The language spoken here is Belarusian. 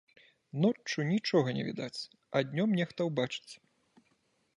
Ноччу нічога не відаць, а днём нехта ўбачыць.